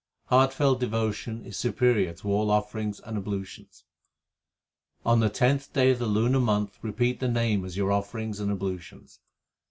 Heartfelt devotion is superior to all offerings and ablutions : On the tenth day of the lunar month repeat the Name as your offerings and ablutions.